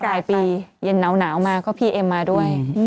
ปลายปีเย็นหนาวมาก็พี่เอ็มมาด้วย